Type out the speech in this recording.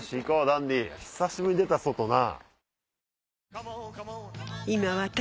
ダンディ久しぶりに出た外な。